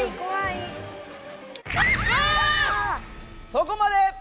そこまで！